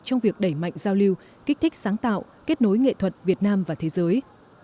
trong việc đẩy mạnh giao lưu kích thích sáng tạo kết nối nghệ thuật việt nam và thế giới